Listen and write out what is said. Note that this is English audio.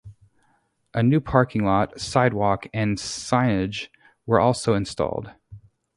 A new parking lot, sidewalk, and signage were also installed.